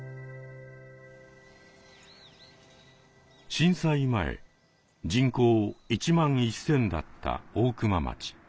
震災前人口１万１，０００だった大熊町。